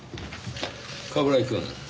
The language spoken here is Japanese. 冠城くん。